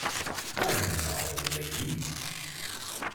I am not a lady.